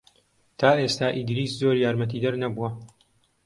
تا ئێستا ئیدریس زۆر یارمەتیدەر نەبووە.